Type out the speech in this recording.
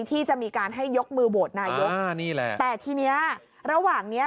ที่จะมีการให้ยกมือโบสถ์นายกรัฐบนตรีแต่ทีนี้ระหว่างนี้